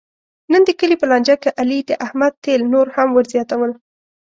نن د کلي په لانجه کې علي د احمد تېل نور هم ور زیاتول.